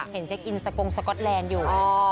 เห็นเจ๊กอินสกงสก็อตแลนด์อยู่